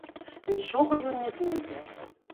Нічога ён не знойдзе.